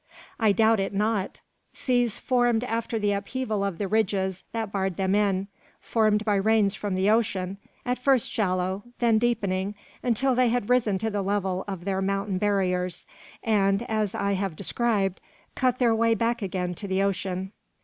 "I doubt it not; seas formed after the upheaval of the ridges that barred them in, formed by rains from the ocean, at first shallow, then deepening, until they had risen to the level of their mountain barriers; and, as I have described, cut their way back again to the ocean."